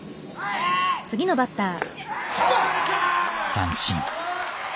三振。